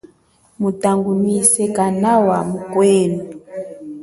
Mutangunwise kanawa mukwenu.